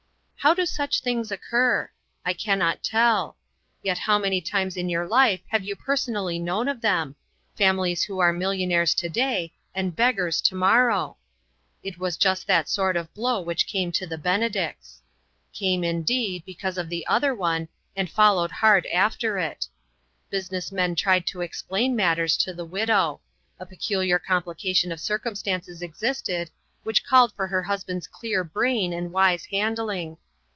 How do such things occur? I can not tell. Yet how many times in your life have you personally known of them families who are millionnaires to day, and beggars to mor row? It was just that sort of blow which 32 INTERRUPTED. came to the Benedicts. Came, indeed, be cause of the other one, and followed hard after it. Business men tried to explain mat ters to the widow. A peculiar complication of circumstances existed, which called for her husband's clear brain and wise handling.